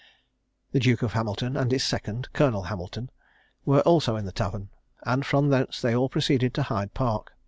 The Duke of Hamilton and his second, Colonel Hamilton, were also at the tavern; and from thence they all proceeded to Hyde Park.